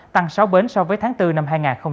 tăng sáu bến so với tháng bốn năm hai nghìn một mươi chín